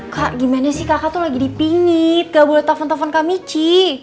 kak gimana sih kakak tuh lagi di pingit gak boleh telfon telfon kak michi